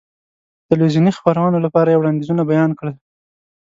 د تلویزیوني خپرونو لپاره یې وړاندیزونه بیان کړل.